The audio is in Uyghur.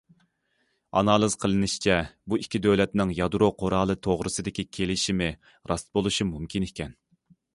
ئانالىز قىلىنىشىچە، بۇ ئىككى دۆلەتنىڭ يادرو قورالى توغرىسىدىكى كېلىشىمى راست بولۇشى مۇمكىن ئىكەن.